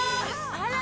あら！